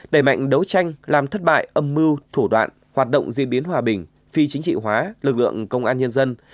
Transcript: đẩy mạnh đấu tranh làm thất bại âm mưu thủ đoạn hoạt động diễn biến hòa bình phi chính trị hóa lực lượng công an nhân dân